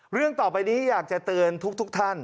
เรื่องต่อไปนี้อยากจะเตือนทุกท่าน